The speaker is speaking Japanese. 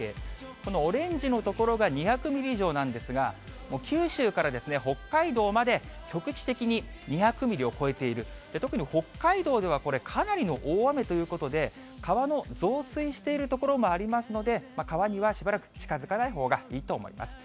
このオレンジの所が２００ミリ以上なんですが、もう九州から北海道まで、局地的に２００ミリを超えている、特に北海道ではこれ、かなりの大雨ということで、川の増水している所もありますので、川にはしばらく近づかないほうがいいと思います。